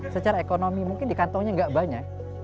secara ekonomi mungkin di kantongnya nggak banyak